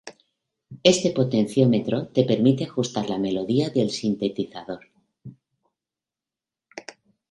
Este potenciómetro te permite ajustar la melodía del sintetizador.